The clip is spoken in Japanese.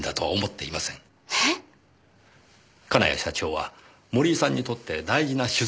金谷社長は森井さんにとって大事な取材相手です。